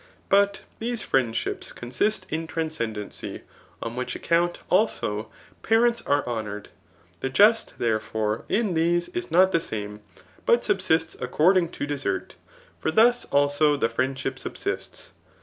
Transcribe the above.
Bat these friendships consist ki transcendency ;, on which account, also, parents aie honoured. The just, therefore, in these is not the same^ but subsists according to desert; for thus, also, the friendship subsists.